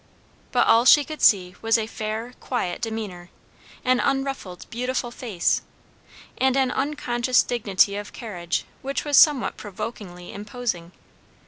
But all she could see was a fair, quiet demeanour; an unruffled, beautiful face; and an unconscious dignity of carriage which was somewhat provokingly imposing.